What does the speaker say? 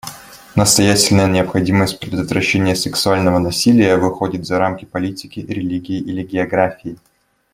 Настоятельная необходимость предотвращения сексуального насилия выходит за рамки политики, религии или географии.